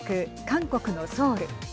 韓国のソウル。